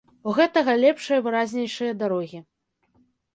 У гэтага лепшыя, выразнейшыя дарогі.